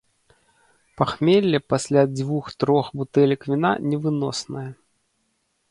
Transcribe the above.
Пахмелле пасля дзвюх-трох бутэлек віна невыноснае.